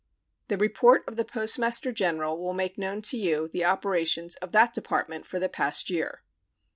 The report of the Postmaster General will make known to you the operations of that Department for the past year.